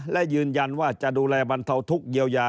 และยืนยันว่าจะดูแลบรรเทาทุกข์เยียวยา